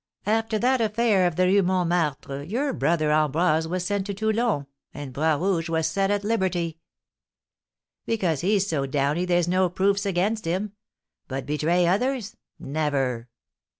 "After that affair of the Rue Montmartre your brother Ambroise was sent to Toulon, and Bras Rouge was set at liberty." "Because he's so downy there's no proofs against him. But betray others? never!"